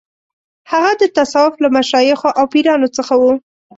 هغه د تصوف له مشایخو او پیرانو څخه و.